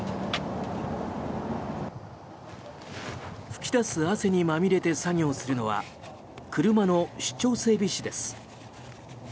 噴き出す汗にまみれて作業するのは車の出張整備士です。